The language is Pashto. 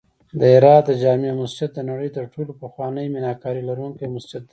د هرات د جمعې مسجد د نړۍ تر ټولو پخوانی میناکاري لرونکی مسجد دی